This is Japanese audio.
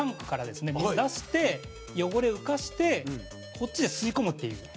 水出して汚れを浮かしてこっちで吸い込むっていう。